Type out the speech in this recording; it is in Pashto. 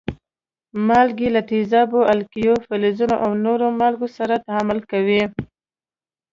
مالګې له تیزابو، القلیو، فلزونو او نورو مالګو سره تعامل کوي.